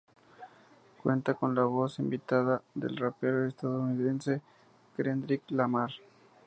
Cuenta con la voz invitada del rapero estadounidense Kendrick Lamar.